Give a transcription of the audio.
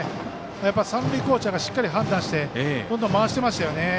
三塁コーチャーがしっかり判断してどんどん回していましたよね。